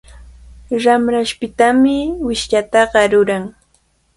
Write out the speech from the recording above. Ramrashpitami wishllataqa ruran.